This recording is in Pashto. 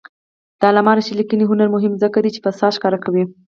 د علامه رشاد لیکنی هنر مهم دی ځکه چې فساد ښکاره کوي.